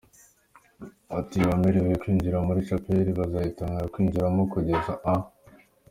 am: Abamerewe kwinjira muri chapel bazatangira kwinjiramo kugeza am.